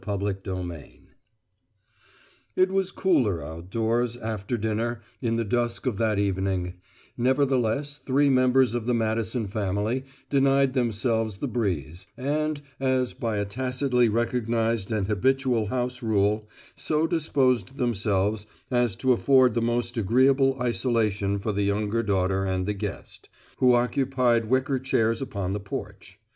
CHAPTER THREE It was cooler outdoors, after dinner, in the dusk of that evening; nevertheless three members of the Madison family denied themselves the breeze, and, as by a tacitly recognized and habitual house rule, so disposed themselves as to afford the most agreeable isolation for the younger daughter and the guest, who occupied wicker chairs upon the porch.